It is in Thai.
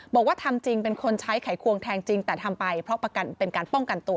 บอกว่าทำจริงเป็นคนใช้ไขควงแทงจริงแต่ทำไปเพราะประกันเป็นการป้องกันตัว